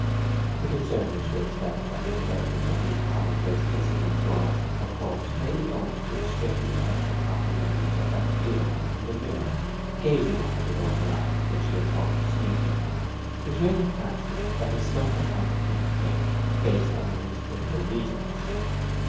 The concern which Grace felt at the development of these commonplace incidents was, of course, mainly owing to the strange effect upon her nerves of that view of him in the mirror gazing at her with open eyes when she had thought him sleeping, which made her fancy that his slumber might have been a feint based on inexplicable reasons.